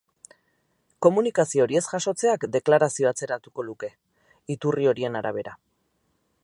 Komunikazio hori ez jasotzeak deklarazioa atzeratuko luke, iturri horien arabera.